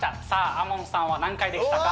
ＡＭＯＮさんは何回でしたか？